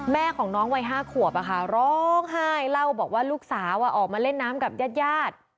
แม่ของน้องวัย๕ขวบร้องไห้เล่าบอกว่าลูกสาวออกมาเล่นน้ำกับญาติญาติ